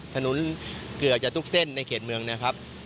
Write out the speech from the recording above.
ถนนเกือบจะทุกเส้นในเขตเมืองนะครับ